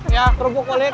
ya kerupuk kulit